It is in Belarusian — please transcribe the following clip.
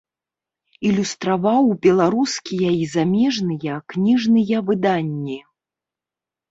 Ілюстраваў беларускія і замежныя кніжныя выданні.